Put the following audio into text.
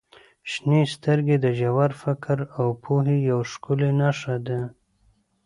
• شنې سترګې د ژور فکر او پوهې یوه ښکلې نښه دي.